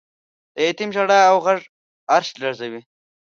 د یتیم ژړا او غږ عرش لړزوی.